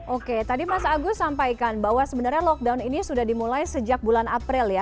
oke tadi mas agus sampaikan bahwa sebenarnya lockdown ini sudah dimulai sejak bulan april ya